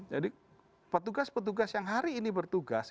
jadi petugas petugas yang hari ini bertugas